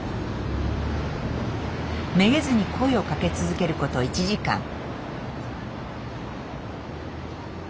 めげずに声をかけ続けること１時間。